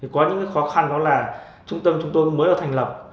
có những khó khăn đó là trung tâm chúng tôi mới thành lập